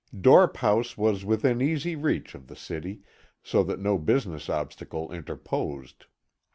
Dorp House was within easy reach of the city, so that no business obstacle interposed.